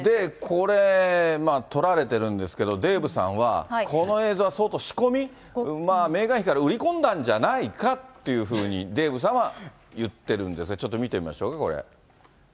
これ、撮られてるんですけど、デーブさんは、この映像は相当仕込み、メーガン妃から売り込んだんじゃないかっていうふうに、デーブさんは言ってるんですが、ちょっと見てみましょうか、これ。